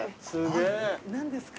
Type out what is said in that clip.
何ですか？